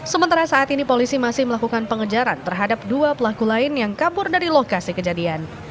sementara saat ini polisi masih melakukan pengejaran terhadap dua pelaku lain yang kabur dari lokasi kejadian